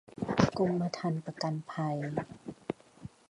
กรมธรรม์ประกันภัย